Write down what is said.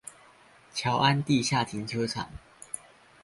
僑安地下停車場